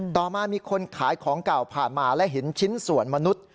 ต่อมามีคนขายของเก่าผ่านมาและเห็นชิ้นส่วนมนุษย์